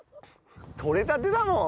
とれたてだもん！